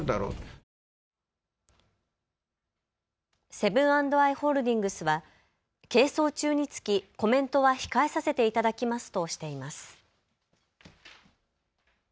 セブン＆アイ・ホールディングスは係争中につきコメントは控えさせていただきますとしています。